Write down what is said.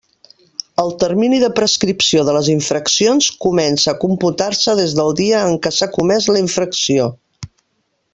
El termini de prescripció de les infraccions comença a computar-se des del dia en què s'ha comès la infracció.